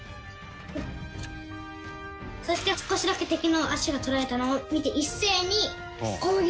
そして少しだけ敵の足が取られたのを見て一斉に攻撃！